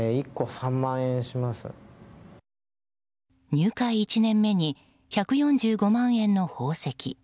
入会１年目に１４５万円の宝石。